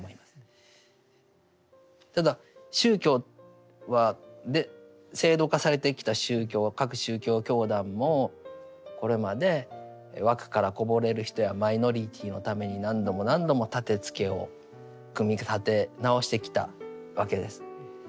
ただ宗教は制度化されてきた宗教は各宗教教団もこれまで枠からこぼれる人やマイノリティーのために何度も何度も立てつけを組み立て直してきたわけです。